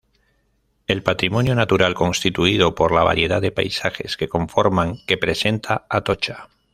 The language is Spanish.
El patrimonio natural constituido por la variedad de paisajes que conforman que presenta Atocha.